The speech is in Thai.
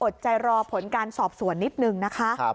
อดใจรอผลการสอบสวนนิดนึงนะคะ